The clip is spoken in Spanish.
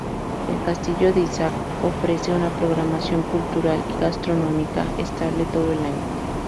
El castillo de Íscar ofrece una programación cultural y gastronómica estable todo el año.